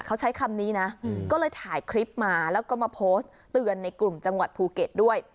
เขาใช้คำนี้นะก็เลยถ่ายคลิปมาแล้วก็มาโพสต์เตือนในกลุ่มจังหวัดภูเก็ตด้วย